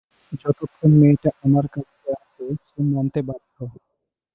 যতক্ষণ মেয়েটা আমার কাছে আছে সে মানতে বাধ্য।